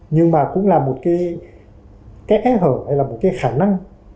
nhưng mà cũng là một cái kẽ hở hay là một cái khả năng